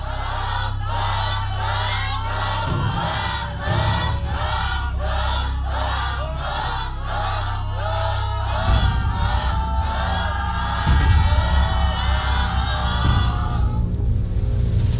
ถูก